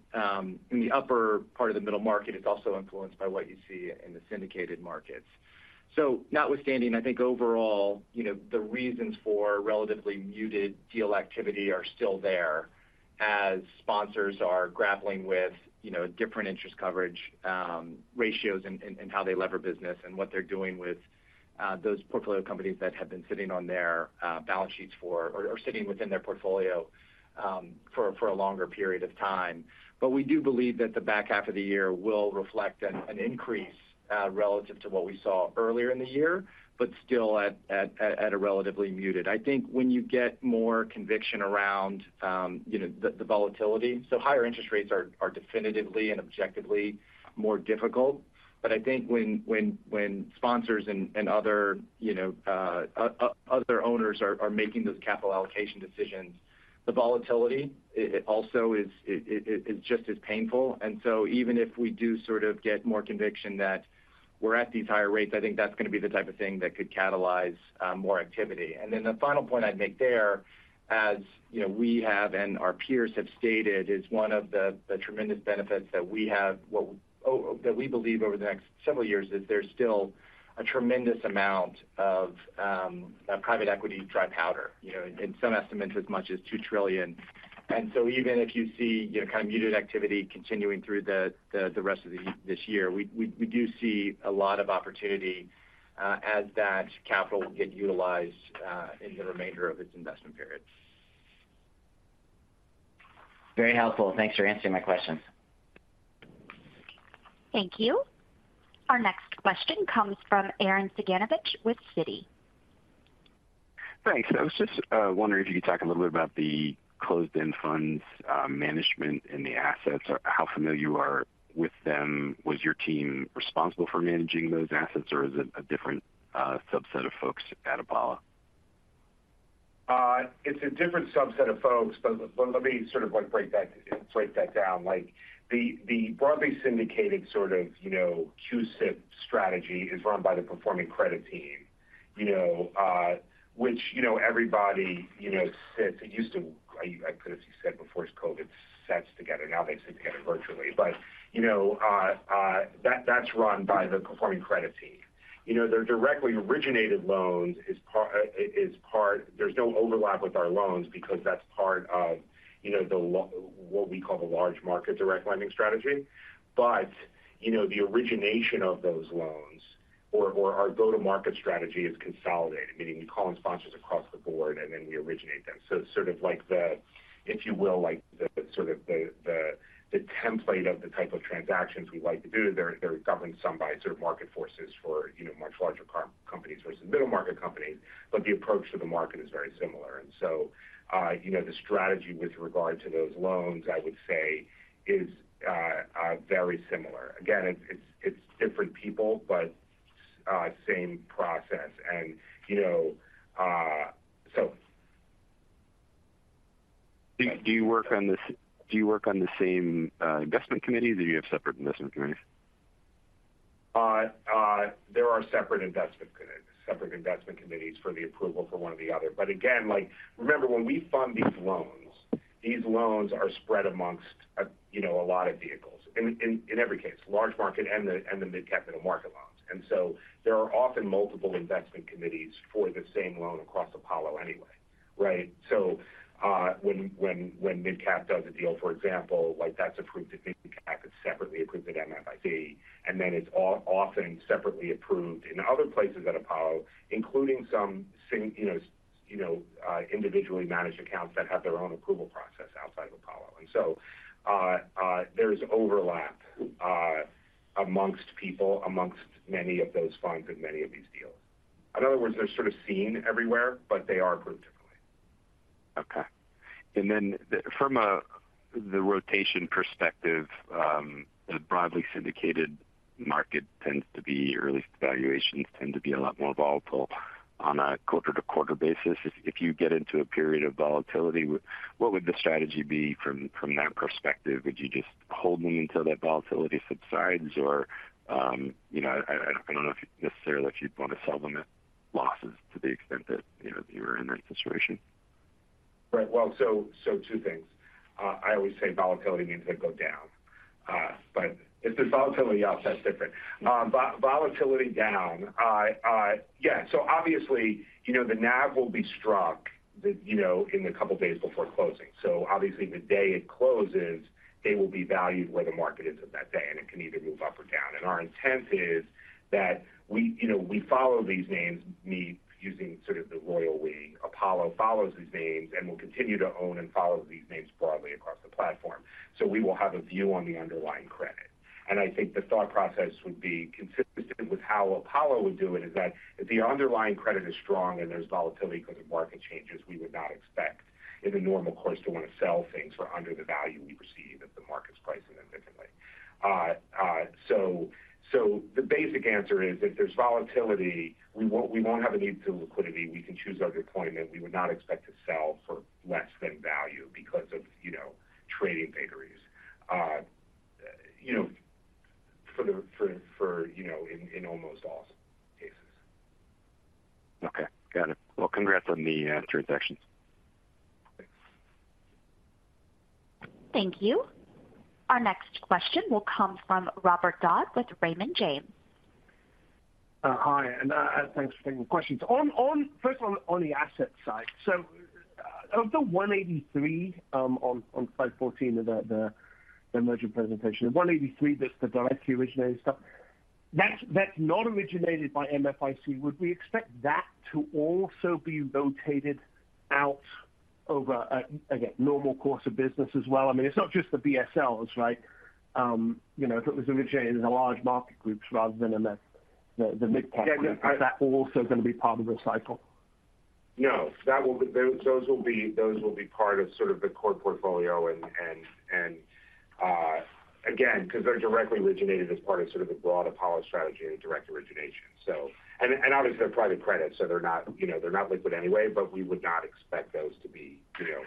in the upper part of the middle market, it's also influenced by what you see in the syndicated markets. So notwithstanding, I think overall, you know, the reasons for relatively muted deal activity are still there as sponsors are grappling with, you know, different interest coverage ratios and how they leverage business and what they're doing with those portfolio companies that have been sitting on their balance sheets for or sitting within their portfolio for a longer period of time. But we do believe that the back half of the year will reflect an increase relative to what we saw earlier in the year, but still at a relatively muted. I think when you get more conviction around, you know, the volatility, so higher interest rates are definitively and objectively more difficult. But I think when sponsors and other, you know, other owners are making those capital allocation decisions, the volatility it also is, it's just as painful. And so even if we do sort of get more conviction that we're at these higher rates, I think that's going to be the type of thing that could catalyze more activity. And then the final point I'd make there, as you know, we have and our peers have stated, is one of the tremendous benefits that we have, that we believe over the next several years, is there's still a tremendous amount of private equity dry powder, you know, in some estimates, as much as $2 trillion. And so even if you see kind of muted activity continuing through the rest of this year, we do see a lot of opportunity, as that capital will get utilized, in the remainder of its investment period. Very helpful. Thanks for answering my questions. Thank you. Our next question comes from Arren Cyganovich with Citi. Thanks. I was just wondering if you could talk a little bit about the closed-end funds, management and the assets, or how familiar you are with them. Was your team responsible for managing those assets, or is it a different subset of folks at Apollo? It's a different subset of folks, but let me sort of like break that down. Like the broadly syndicated sort of, you know, CUSIP strategy is run by the performing credit team.... you know, which, you know, everybody, you know, sits. It used to, I could have said before COVID, sit together, now they sit together virtually. But, you know, that, that's run by the performing credit team. You know, their directly originated loans is part, is part—there's no overlap with our loans because that's part of, you know, the—what we call the large market direct lending strategy. But, you know, the origination of those loans or our go-to-market strategy is consolidated, meaning we call in sponsors across the board, and then we originate them. So it's sort of like the, if you will, like, the sort of the template of the type of transactions we like to do. They're governed some by sort of market forces for, you know, much larger car companies versus middle-market companies, but the approach to the market is very similar. And so, you know, the strategy with regard to those loans, I would say, is, are very similar. Again, it's different people, but, same process. And, you know, so- Do you work on the same investment committee, or do you have separate investment committees? There are separate investment committees, separate investment committees for the approval for one or the other. But again, like, remember, when we fund these loans, these loans are spread amongst, you know, a lot of vehicles in every case, large market and the mid-cap middle market loans. And so there are often multiple investment committees for the same loan across Apollo anyway, right? So, when MidCap does a deal, for example, like, that's approved at MidCap, it's separately approved at MFIC, and then it's often separately approved in other places at Apollo, including some, you know, individually managed accounts that have their own approval process outside of Apollo. And so, there's overlap amongst people, amongst many of those funds in many of these deals. In other words, they're sort of seen everywhere, but they are approved differently. Okay. From the rotation perspective, the broadly syndicated market tends to be, or at least valuations tend to be a lot more volatile on a quarter-to-quarter basis. If you get into a period of volatility, what would the strategy be from that perspective? Would you just hold them until that volatility subsides? Or, you know, I don't know if necessarily you'd want to sell them at losses to the extent that, you know, you were in that situation. Right. Well, so, so two things. I always say volatility means they go down, but if there's volatility up, that's different. Volatility down, yeah, so obviously, you know, the NAV will be struck, you know, in the couple of days before closing. So obviously, the day it closes, they will be valued where the market is at that day, and it can either move up or down. And our intent is that we, you know, we follow these names, me using sort of the royal we, Apollo follows these names and will continue to own and follow these names broadly across the platform. So we will have a view on the underlying credit. I think the thought process would be consistent with how Apollo would do it, is that if the underlying credit is strong and there's volatility because of market changes, we would not expect in the normal course to want to sell things for under the value we receive if the market's pricing them differently. So the basic answer is, if there's volatility, we won't have a need for liquidity. We can choose other deployment. We would not expect to sell for less than value because of, you know, trading vagaries, you know, for the, you know, in almost all cases. Okay, got it. Well, congrats on the transactions. Thanks. Thank you. Our next question will come from Robert Dodd with Raymond James. Hi, and thanks for taking the questions. First, on the asset side. So, of the 183, on slide 14 of the merger presentation, the 183, that's the directly originated stuff, that's not originated by MFIC. Would we expect that to also be rotated out over, again, normal course of business as well? I mean, it's not just the BSLs, right? You know, if it was originated in the large market groups rather than in the MidCap group- Yeah, I- Is that also going to be part of the cycle? No, that will be... Those will be part of sort of the core portfolio. And again, because they're directly originated as part of sort of the broad Apollo strategy and direct origination. So, and obviously, they're private credit, so they're not, you know, they're not liquid anyway, but we would not expect those to be, you know.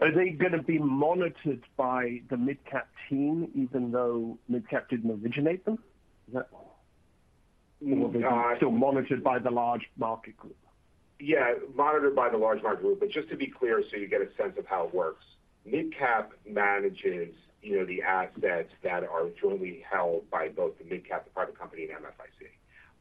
Are they going to be monitored by the MidCap team, even though MidCap didn't originate them? Is that- Uh- Still monitored by the large market group? Yeah, monitored by the large market group. But just to be clear, so you get a sense of how it works. MidCap manages, you know, the assets that are jointly held by both the MidCap, the private company, and MFIC.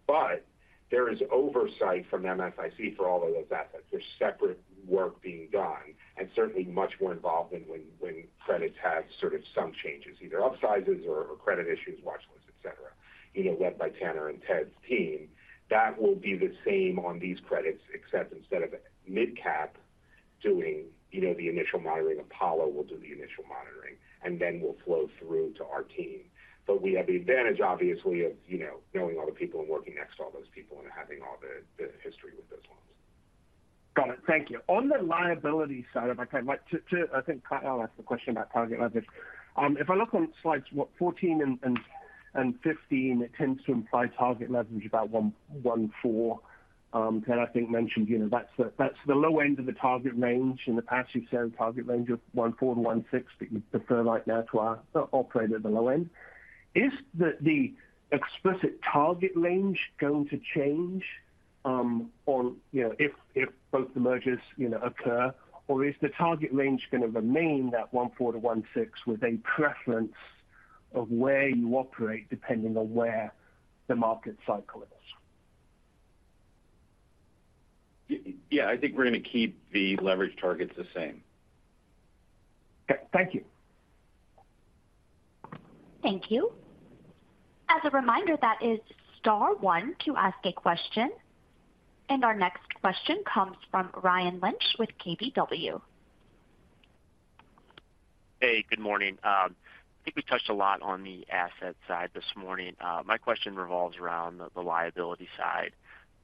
But there is oversight from MFIC for all of those assets. There's separate work being done, and certainly much more involvement when, when credits have sort of some changes, either upsizes or, or credit issues, watch lists, et cetera, you know, led by Tanner and Ted's team. That will be the same on these credits, except instead of MidCap doing, you know, the initial monitoring, Apollo will do the initial monitoring, and then we'll flow through to our team. But we have the advantage, obviously, of, you know, knowing all the people and working next to all those people and having all the, the history with those loans. Got it. Thank you. On the liability side, if I might, to, to—I think I'll ask the question about target leverage. If I look on slides 14 and 15, it tends to imply target leverage about 1.4, and I think mentioned, you know, that's the, that's the low end of the target range and the uncertain target range of 1.4-1.6 that you'd prefer right now to operate at the low end. Is the explicit target range going to change, you know, if both the mergers, you know, occur? Or is the target range gonna remain that 1.4-1.6, with a preference of where you operate, depending on where the market cycle is? Yeah, I think we're going to keep the leverage targets the same. Okay, thank you. Thank you. As a reminder, that is star one to ask a question. Our next question comes from Ryan Lynch with KBW. Hey, good morning. I think we touched a lot on the asset side this morning. My question revolves around the liability side.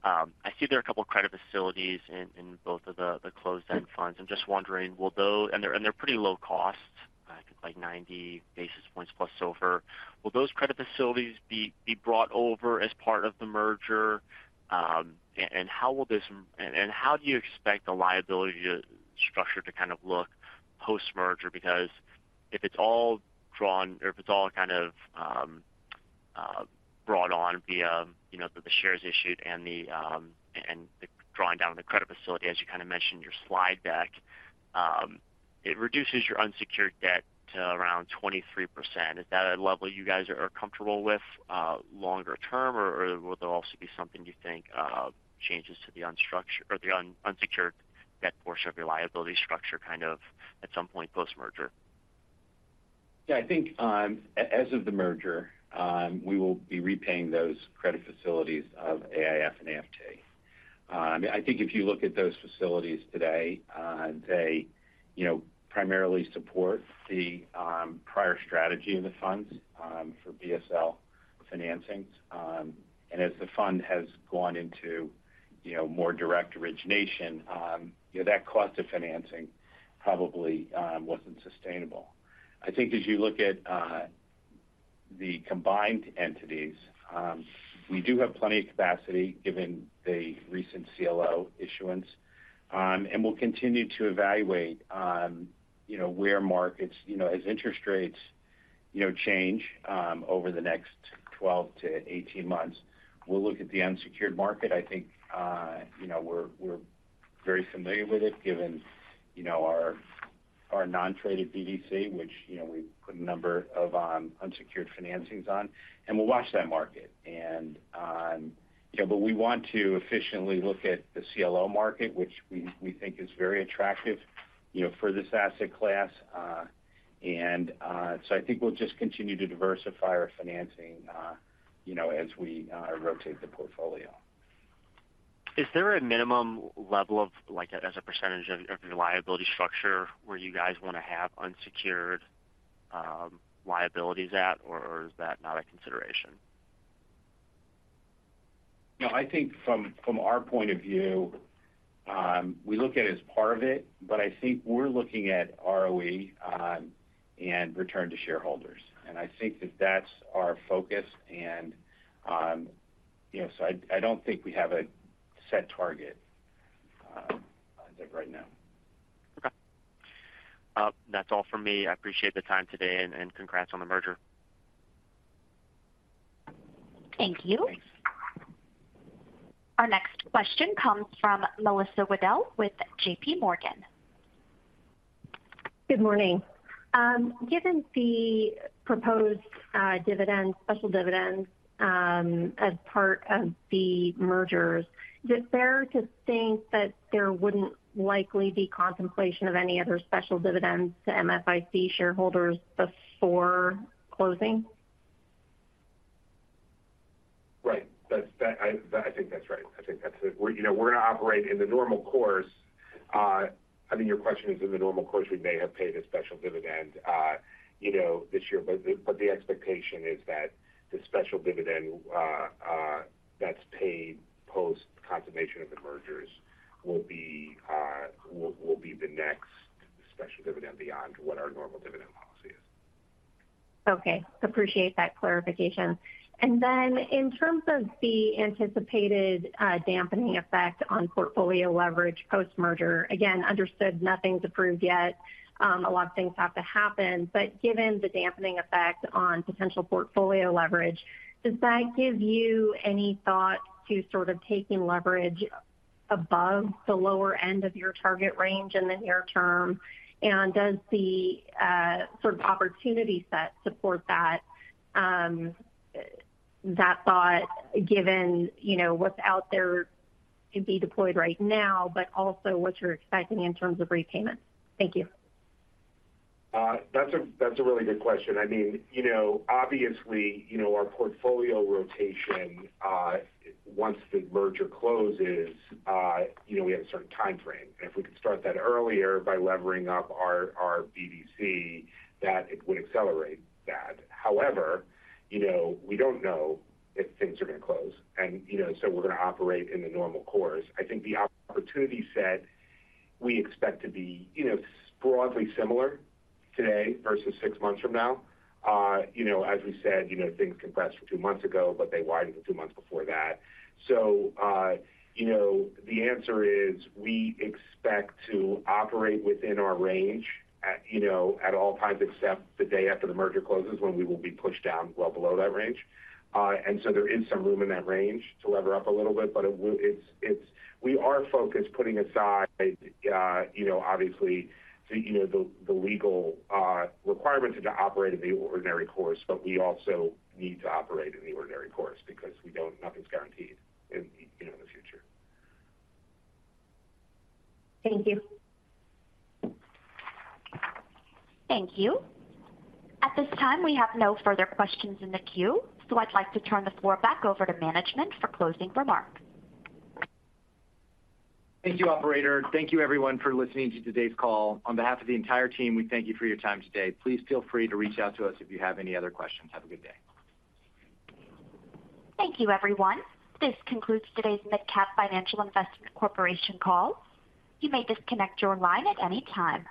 I see there are a couple of credit facilities in both of the closed-end funds. I'm just wondering, will those, and they're pretty low cost, like 90 basis points plus over. Will those credit facilities be brought over as part of the merger? And how do you expect the liability structure to kind of look post-merger? Because if it's all drawn or if it's all kind of brought on via, you know, the shares issued and the drawing down of the credit facility, as you kind of mentioned in your slide deck, it reduces your unsecured debt to around 23%. Is that a level you guys are comfortable with longer term, or will there also be something you think changes to the unsecured debt portion of your liability structure, kind of, at some point post-merger? Yeah, I think, as of the merger, we will be repaying those credit facilities of AIF and AFT. I mean, I think if you look at those facilities today, they, you know, primarily support the prior strategy in the funds for BSL financings. And as the fund has gone into, you know, more direct origination, you know, that cost of financing probably wasn't sustainable. I think as you look at the combined entities, we do have plenty of capacity, given the recent CLO issuance. And we'll continue to evaluate, you know, where markets— you know, as interest rates, you know, change over the next 12-18 months, we'll look at the unsecured market. I think, you know, we're very familiar with it, given, you know, our non-traded BDC, which, you know, we put a number of unsecured financings on, and we'll watch that market. And, yeah, but we want to efficiently look at the CLO market, which we think is very attractive, you know, for this asset class. And, so I think we'll just continue to diversify our financing, you know, as we rotate the portfolio. Is there a minimum level of, like, as a percentage of your liability structure, where you guys want to have unsecured liabilities at, or is that not a consideration? No, I think from our point of view, we look at it as part of it, but I think we're looking at ROE and return to shareholders. And I think that's our focus, and, you know, so I don't think we have a set target, like, right now. Okay. That's all for me. I appreciate the time today, and congrats on the merger. Thank you. Thanks. Our next question comes from Melissa Wedel with JPMorgan. Good morning. Given the proposed dividend, special dividends, as part of the mergers, is it fair to think that there wouldn't likely be contemplation of any other special dividends to MFIC shareholders before closing? Right. That's that. I think that's right. I think that's it. We're, you know, we're going to operate in the normal course. I mean, your question is, in the normal course, we may have paid a special dividend, you know, this year, but the, but the expectation is that the special dividend that's paid post-confirmation of the mergers will be, will be the next special dividend beyond what our normal dividend policy is. Okay. Appreciate that clarification. And then in terms of the anticipated dampening effect on portfolio leverage post-merger, again, understood nothing's approved yet. A lot of things have to happen, but given the dampening effect on potential portfolio leverage, does that give you any thought to sort of taking leverage above the lower end of your target range in the near term? And does the sort of opportunity set support that that thought, given you know what's out there to be deployed right now, but also what you're expecting in terms of repayment? Thank you. That's a really good question. I mean, you know, obviously, you know, our portfolio rotation, once the merger closes, you know, we have a certain time frame, and if we could start that earlier by levering up our BDC, that it would accelerate that. However, you know, we don't know if things are going to close, and, you know, so we're going to operate in the normal course. I think the opportunity set, we expect to be, you know, broadly similar today versus six months from now. You know, as we said, you know, things compressed for two months ago, but they widened two months before that. So, you know, the answer is we expect to operate within our range at, you know, at all times, except the day after the merger closes, when we will be pushed down well below that range. And so there is some room in that range to lever up a little bit, but it will—it's— we are focused, putting aside, you know, obviously, the legal requirements to operate in the ordinary course, but we also need to operate in the ordinary course because nothing's guaranteed in, you know, the future. Thank you. Thank you. At this time, we have no further questions in the queue, so I'd like to turn the floor back over to management for closing remarks. Thank you, operator. Thank you, everyone, for listening to today's call. On behalf of the entire team, we thank you for your time today. Please feel free to reach out to us if you have any other questions. Have a good day. Thank you, everyone. This concludes today's MidCap Financial Investment Corporation call. You may disconnect your line at any time.